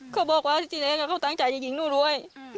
เขาบอกว่าที่แรกเขาตั้งใจจะยิงหนูรวย